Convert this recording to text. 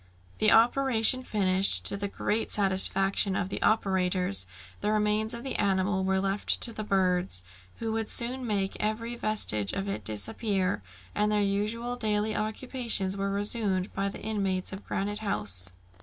The operation finished, to the great satisfaction of the operators, the remains of the animal were left to the birds, who would soon make every vestige of it disappear, and their usual daily occupations were resumed by the inmates of Granite House.